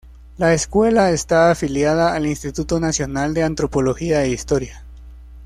La escuela está afiliada al Instituto Nacional de Antropología e Historia.